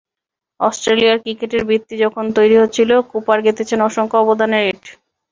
অস্ট্রেলিয়ার ক্রিকেটের ভিত্তি যখন তৈরি হচ্ছিল, কুপার গেঁথেছেন অসংখ্য অবদানের ইট।